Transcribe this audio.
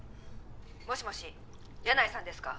「もしもし箭内さんですか？」